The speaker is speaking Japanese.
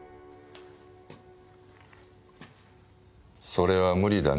それは無理だね。